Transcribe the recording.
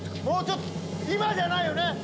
もうちょっと今じゃないよね！